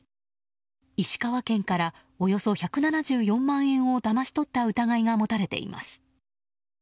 石川県から、およそ１７４万円をだまし取った疑いが持たれています。